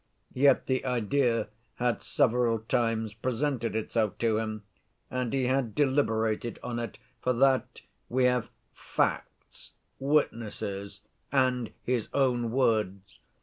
Yet the idea had several times presented itself to him, and he had deliberated on it—for that we have facts, witnesses, and his own words.